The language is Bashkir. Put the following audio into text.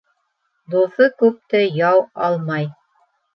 Дуҫы күпте яу алмай.